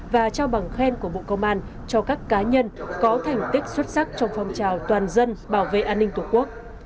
và trao bằng khen của bộ công an cho các cá nhân có thành tích xuất sắc trong phong trào toàn dân bảo vệ an ninh tổ quốc